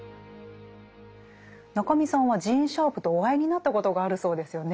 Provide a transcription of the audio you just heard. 中見さんはジーン・シャープとお会いになったことがあるそうですよね。